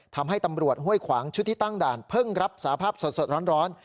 ทำให้ตำรวจห้วยขวางชุดที่ตั้งด่านเพิ่งรับสาภาพสดร้อน